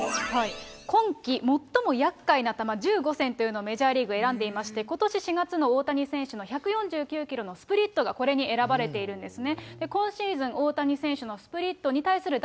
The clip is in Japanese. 今季最もやっかいな球、１５戦というのを、メジャーリーグ、選んでまして、ことし４月の大谷選手の１４９キロのスプリットがこれに選ばれてるんですよね。